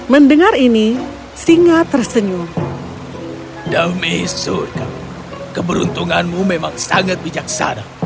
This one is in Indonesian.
mendengar ini singa tersenyum dauy surga keberuntunganmu memang sangat bijaksana